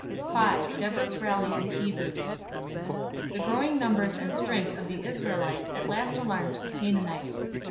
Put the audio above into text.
V. DEBORAH'S RALLY OF THE HEBREWS. The growing numbers and strength of the Israelites at last alarmed the Canaanites.